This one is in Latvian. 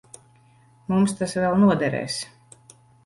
Mums tas vēl noderēs.